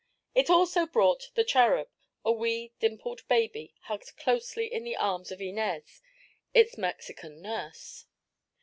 It also brought "the Cherub," a wee dimpled baby hugged closely in the arms of Inez, its Mexican nurse.